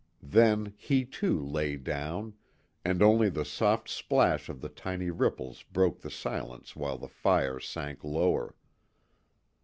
Then he, too, lay down, and only the soft splash of the tiny ripples broke the silence while the fire sank lower.